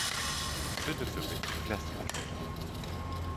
Finde für mich den Plastic Trailer.